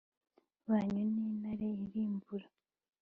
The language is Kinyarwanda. Banyu nk intare irimbura